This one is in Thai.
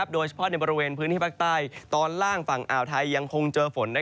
โดยเฉพาะในบริเวณพื้นที่ภาคใต้ตอนล่างฝั่งอ่าวไทยยังคงเจอฝน